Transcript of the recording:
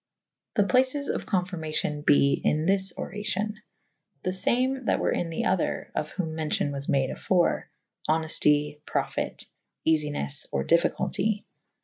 The places of confyrmacyon be in this oracyon. The lame that were in the other (of whom mencion was made afore / honefty / profyte / eafynes / or difficulty.